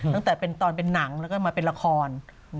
ตั้งแต่ตอนเป็นหนังแล้วก็มาเป็นละคร